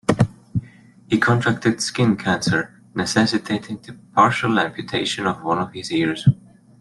He contracted skin cancer, necessitating the partial amputation of one of his ears.